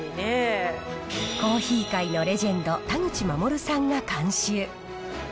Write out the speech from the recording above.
コーヒー界のレジェンド、田口護さんが監修。